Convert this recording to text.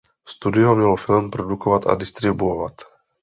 Studio mělo film produkovat a distribuovat.